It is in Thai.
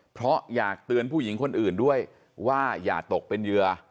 เพราะอยากเตือนผู้หญิงคนอื่นด้วยว่าอย่าตกเป็นเหยื่อ